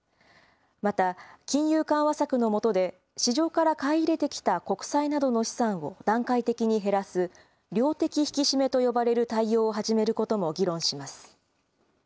また金融緩和策のもとで市場から買い入れてきた国債などの資産を段階的に減らす量的引き締めと呼ばれる対応を始めることも議論します。